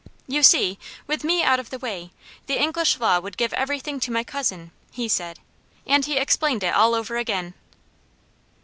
"You see with me out of the way, the English law would give everything to my cousin," he said, and he explained it all over again.